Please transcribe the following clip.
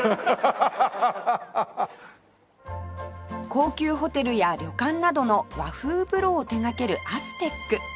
高級ホテルや旅館などの和風風呂を手掛けるアステック